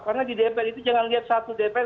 karena di dpr itu jangan lihat satu dpr